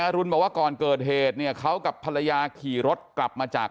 รุนบอกว่าก่อนเกิดเหตุเนี่ยเขากับภรรยาขี่รถกลับมาจาก